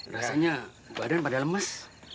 rasanya badan pada lemes